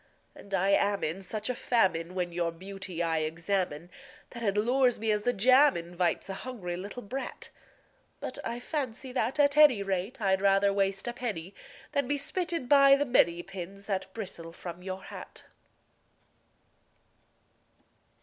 And I am in such a famine when your beauty I examine That it lures me as the jam invites a hungry little brat; But I fancy that, at any rate, I'd rather waste a penny Than be spitted by the many pins that bristle from your hat.